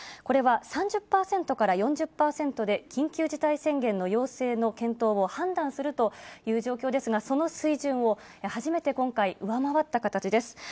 これは３０％から４０％で、緊急事態宣言の要請の検討を判断するという状況ですが、その水準を初めて今回、上回った形です。